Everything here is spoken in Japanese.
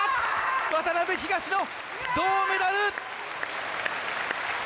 渡辺、東野銅メダル！